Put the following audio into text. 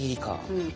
うん。